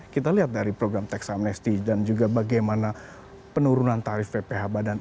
kita lihat dari program teks amnesty dan juga bagaimana penurunan tarif pph badan